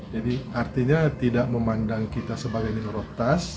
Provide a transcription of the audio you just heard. jadi artinya tidak memandang kita sebagai minoritas